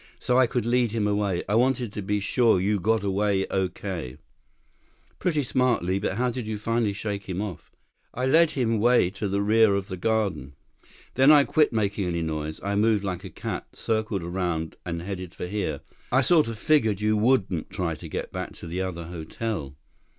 "So I could lead him away. I wanted to be sure you got away okay." "Pretty smart, Li. But how did you finally shake him off?" "I led him way to the rear of the garden. Then I quit making any noise. I moved like a cat, circled around, and headed for here. I sort of figured you wouldn't try to get back to the other hotel."